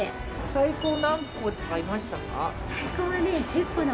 最高、何個とかいましたか？